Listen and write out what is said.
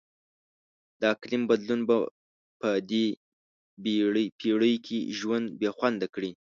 د اقلیم بدلون به په دې پیړۍ کې ژوند بیخونده کړي.